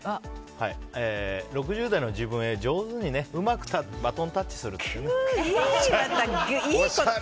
６０代の自分へ上手にうまくバトンタッチすると。